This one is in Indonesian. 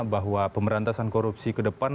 bahwa pemberantasan korupsi ke depan